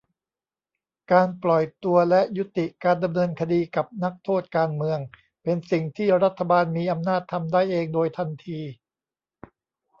การปล่อยตัวและยุติการดำเนินคดีกับนักโทษการเมือง เป็นสิ่งที่รัฐบาลมีอำนาจทำได้เองโดยทันที